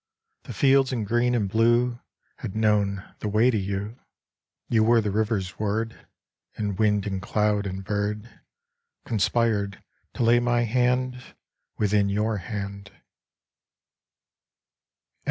The fields in green and blue Had known the way to you. You were the river's word, And wind and cloud and bird Conspired to lay my hand within your hand.